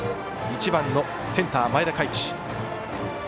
１番センターの前田凱地。